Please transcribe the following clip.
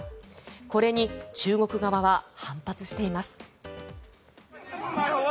これに中国側は反発しています。